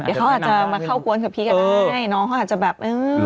เขาอาจจะมาเข้ากุนกับพี่ก็ได้